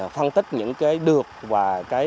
phân tích những cái được và